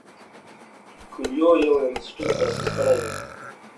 کویلیو یو انسټیټیوټ تاسیس کړی دی.